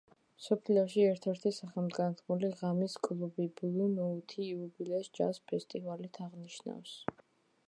მსოფლიოში ერთ-ერთი სახელგანთქმული ღამის კლუბი „ბლუ ნოუთი“ იუბილეს ჯაზ ფესტივალით აღნიშნავს.